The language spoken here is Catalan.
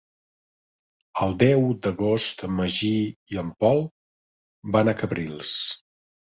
El deu d'agost en Magí i en Pol van a Cabrils.